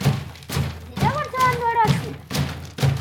D lawan tura ad nurar cwiṭ.